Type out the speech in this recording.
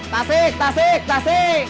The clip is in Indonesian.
tasik tasik tasik